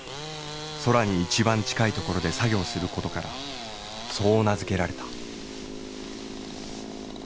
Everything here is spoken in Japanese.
空に一番近いところで作業することからそう名付けられた。